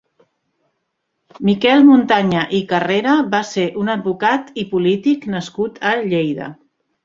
Miquel Montaña i Carrera va ser un advocat i polític nascut a Lleida.